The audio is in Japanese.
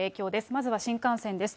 まずは新幹線です。